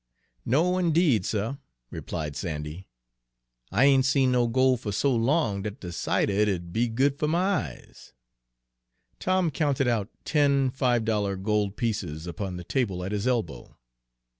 "No, indeed, suh," replied Sandy. "I ain' seen no gol' fer so long dat de sight er it'd be good fer my eyes." Tom counted out ten five dollar gold pieces upon the table at his elbow.